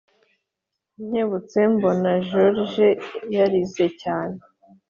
nkebutse mbona george yarize cyane